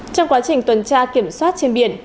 trong quá trình tuần tra kiểm soát trên biển